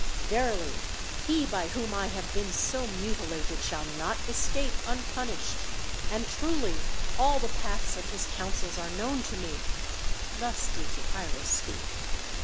Verily he by whom I have been so mutilated shall not escape unpunished. And truly all the paths of his counsels are known to me." Thus did Zopyrus speak.